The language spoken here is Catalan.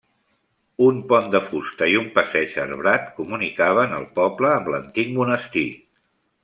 Un pont de fusta i un passeig arbrat comunicaven el poble amb l'antic monestir.